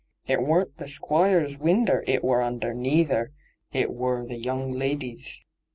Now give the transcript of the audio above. It weren't the Squoire's winder it wor under, neither ; it wor the young lidy's.'